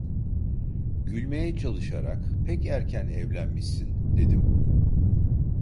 Gülmeye çalışarak: "Pek erken evlenmişsin!" dedim.